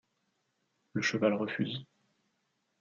Le cheval refuse.